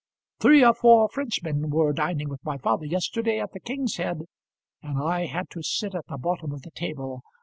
Three or four Frenchmen were dining with my father yesterday at the King's Head, and I had to sit at the bottom of the table.